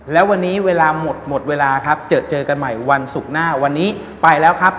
แล้ววันนี้เวลาหมดหมดเวลาครับเจอเจอกันใหม่วันศุกร์หน้าวันนี้ไปแล้วครับ